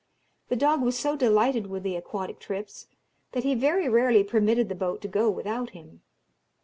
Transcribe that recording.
The dog was so delighted with the aquatic trips, that he very rarely permitted the boat to go without him.